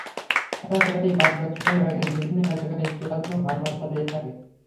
তারা প্রায়ই বাগদাদসহ ইরাকের বিভিন্ন এলাকায় শিয়াদের ওপর হামলা চালিয়ে থাকে।